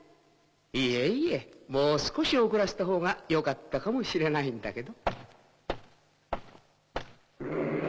いえいえもう少し遅らせたほうがよかったかもしれないんだけど。